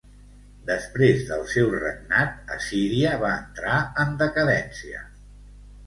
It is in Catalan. Després del seu regnat Assíria va entrar en decadència.